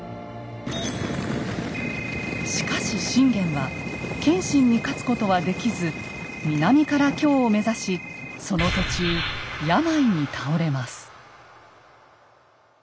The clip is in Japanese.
しかし信玄は謙信に勝つことはできず南から京を目指しその途中病に倒れます。